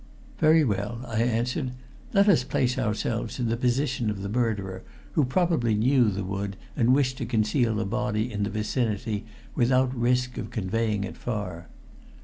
"Very well," I answered. "Let us place ourselves in the position of the murderer, who probably knew the wood and wished to conceal a body in the vicinity without risk of conveying it far.